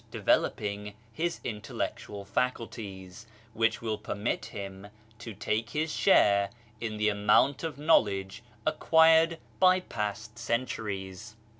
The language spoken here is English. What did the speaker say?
134 BAHAISM developing his intellectual faculties, which will permit him to take his share in the amount of knowledge acquired by past centuries.